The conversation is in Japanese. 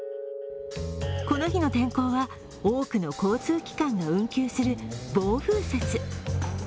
この日の天候は、多くの交通機関が運休する暴風雪。